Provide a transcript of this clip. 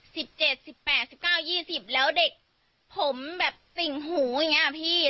สิบเจ็ดสิบแปดสิบเก้ายี่สิบแล้วเด็กผมแบบสิ่งหูอย่างเงี้ยพี่